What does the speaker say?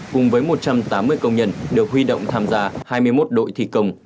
cùng với một trăm tám mươi công nhân được huy động tham gia hai mươi một đội thi công